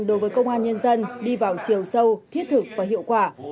đối với công an nhân dân đi vào chiều sâu thiết thực và hiệu quả